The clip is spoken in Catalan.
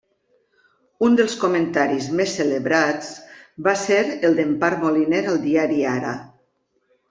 Un dels comentaris més celebrats va ser el d'Empar Moliner al diari Ara.